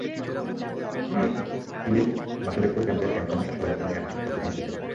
হিলি বাসুদেবপুর ক্যাম্পের camp commander subedar Chand Mia ঘটনার সত্যতা নিশ্চিত করেছেন।